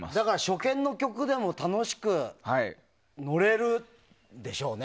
初見の曲でも楽しく乗れるでしょうね。